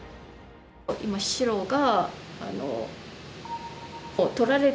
今白が。